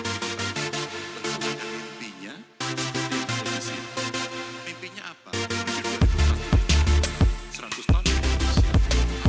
untuk indonesia yang tidak terpercaya